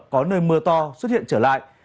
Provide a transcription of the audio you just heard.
có nơi mưa to xuất hiện trở lại